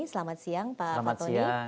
selamat siang pak fatoni